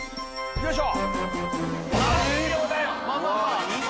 よいしょ！